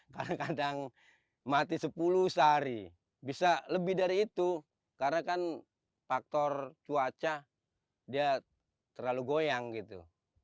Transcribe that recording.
kadang kadang mati sepuluh sehari bisa lebih dari itu karena kan faktor cuaca dia terlalu goyang gitu